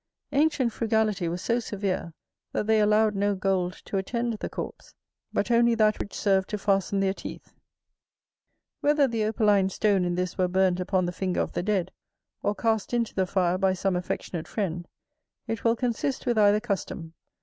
Ancient frugality was so severe, that they allowed no gold to attend the corpse, but only that which served to fasten their teeth. Whether the Opaline stone in this were burnt upon the finger of the dead, or cast into the fire by some affectionate friend, it will consist with either custom.